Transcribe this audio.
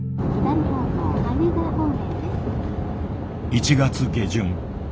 １月下旬。